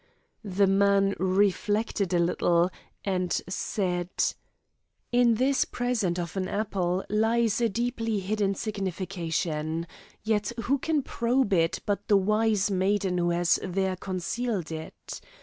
The man reflected a little, and said, "In this present of an apple lies a deeply hidden signification; yet who can probe it but the wise maiden who has there concealed it?